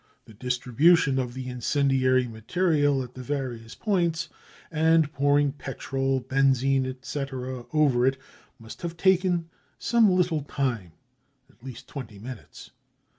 The distribution of the incendiary material at the various points, and pouring petrol, benzine, etc., over it, must have taken some little time, at least twenty minutes.